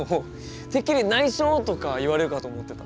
てっきり「ないしょ」とか言われるかと思ってた。